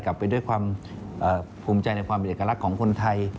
ไปด้วยความภูมิใจในความเป็นเอกลักษณ์ของคนไทย